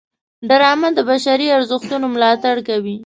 ډرامه د بشري ارزښتونو ملاتړ کوي